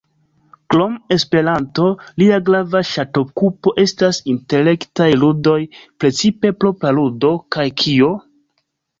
Krom Esperanto, lia grava ŝatokupo estas intelektaj ludoj, precipe "Propra ludo" kaj "Kio?